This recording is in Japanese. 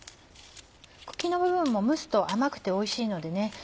茎の部分も蒸すと甘くておいしいのでね